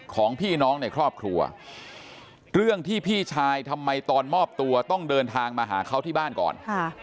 ของพี่น้องในครอบครัวเรื่องที่พี่ชายทำไมตอนมอบตัวต้องเดินทางมาหาเขาที่บ้านก่อน